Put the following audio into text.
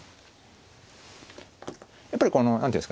やっぱりこの何ていうんですかね